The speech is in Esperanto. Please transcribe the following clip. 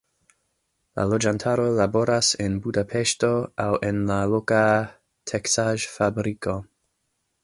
La loĝantaro laboras en Budapeŝto, aŭ en la loka teksaĵ-fabriko.